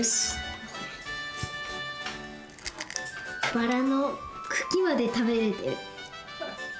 バラのくきまでたべれてる。